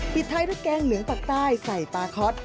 ปิดท้ายด้วยแกงเหลืองปากใต้ใส่ปลาคอต